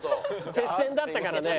接戦だったからね。